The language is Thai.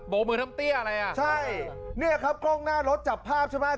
มือน้ำเตี้ยอะไรอ่ะใช่เนี่ยครับกล้องหน้ารถจับภาพใช่ไหม